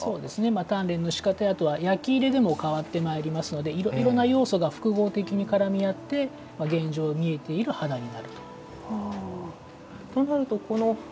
鍛練のしかた焼き入れでも変わってまいりますのでいろいろな要素が複合的に組み合わさって見えている肌になる。